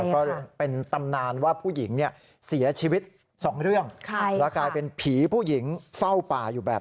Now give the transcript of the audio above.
ก็เป็นตำนานว่าผู้หญิงเนี่ยเสียชีวิตสองเรื่องแล้วกลายเป็นผีผู้หญิงเฝ้าป่าอยู่แบบนี้